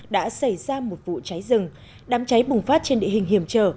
đã xảy ra một vụ cháy rừng đám cháy bùng phát trên địa hình hiểm trở